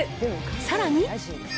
さらに。